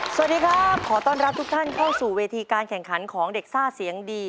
สวัสดีครับขอต้อนรับทุกท่านเข้าสู่เวทีการแข่งขันของเด็กซ่าเสียงดี